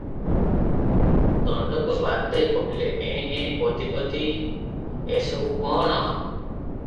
ଦଣ୍ଡକ ବାଦେ କହିଲେ-ଏଁ -ଏଁ -ପଦୀ! ପଦୀ! ଏ ସବୁ କଣ?